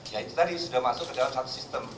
ya itu tadi sudah masuk ke dalam satu sistem